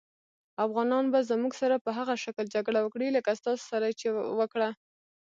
افغانان به زموږ سره په هغه شکل جګړه وکړي لکه ستاسې سره یې وکړه.